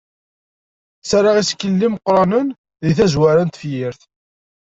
Ttarra isekkilen imeqranen deg tazwara n tefyirt.